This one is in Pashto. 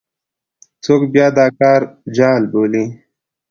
څوک بیا دا کار جعل بولي.